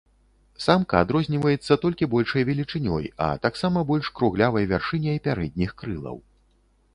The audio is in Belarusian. Самка адрозніваецца толькі большай велічынёй, а таксама больш круглявай вяршыняй пярэдніх крылаў.